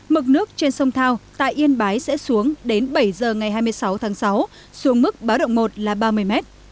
mực nước trên sông thao tại yên bái sẽ xuống đến bảy giờ ngày hai mươi sáu tháng sáu xuống mức báo động một là ba mươi m